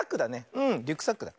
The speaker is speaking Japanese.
うんリュックサックだ。